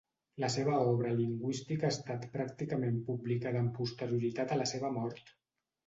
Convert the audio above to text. La seva obra lingüística ha estat pràcticament publicada amb posterioritat a la seva mort.